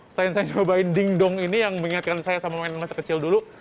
selain saya nyobain ding dong ini yang mengingatkan saya sama mainan masa kecil dulu